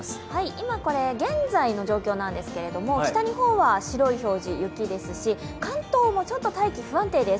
今、現在の状況なんですけれども北日本は白い表示、雪ですし、関東もちょっと大気不安定です。